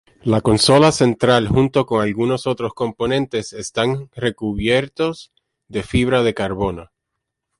La consola central, junto con algunos otros componentes están recubiertos de fibra de carbono.